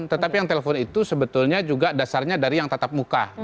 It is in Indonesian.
tetapi yang telepon itu sebetulnya juga dasarnya dari yang tatap muka